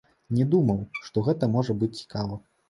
Не думаў, што гэта можа быць цікава.